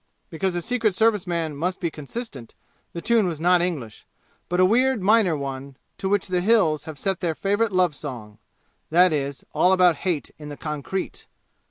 Because a Secret Service man must be consistent, the tune was not English, but a weird minor one to which the "Hills" have set their favorite love song (that is, all about hate in the concrete!).